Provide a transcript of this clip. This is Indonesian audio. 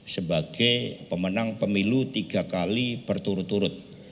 sebagai pemenang pemilu tiga kali berturut turut